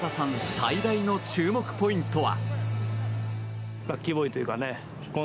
最大の注目ポイントは？